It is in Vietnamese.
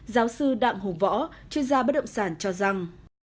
giáo sư đặng hùng võ chuyên gia bất động sản cho rằng